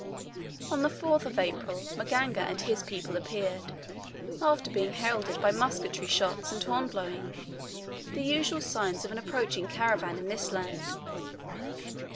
On the 4th April Maganga and his people appeared, after being heralded by musketry shots and horn blowing, the usual signs of an approaching caravan in this land.